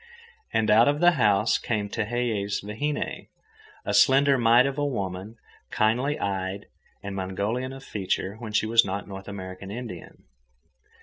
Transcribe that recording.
And out of the house came Tehei's vahine, a slender mite of a woman, kindly eyed and Mongolian of feature—when she was not North American Indian.